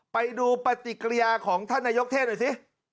ไปดูปฏิกิริยาของท่านนายกเทศหน่อยสิ